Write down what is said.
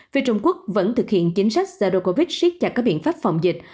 phía trung quốc vẫn thực hiện chính sách zerocovid siết chặt các biện pháp phòng dịch